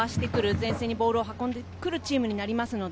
前線にボールを運んでくるチームです。